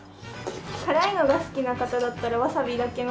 辛いのが好きな方だったらワサビだけの方が。